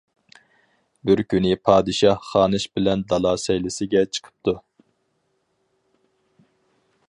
بىر كۈنى پادىشاھ خانىش بىلەن دالا سەيلىسىگە چىقىپتۇ.